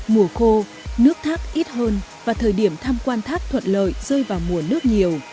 mùa khô nước thác ít hơn và thời điểm thăm quan thác thuận lợi rơi vào mùa nước nhiều